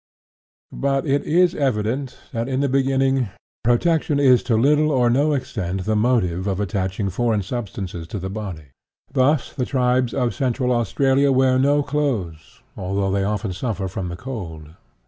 But it is evident that, in the beginning, protection is to little or no extent the motive for attaching foreign substances to the body. Thus the tribes of Central Australia wear no clothes, although they often suffer from the cold.